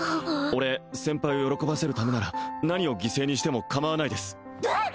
俺先輩を喜ばせるためなら何を犠牲にしてもかまわないですえっ！？